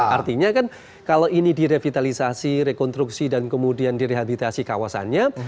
artinya kan kalau ini direvitalisasi rekonstruksi dan kemudian direhabilitasi kawasannya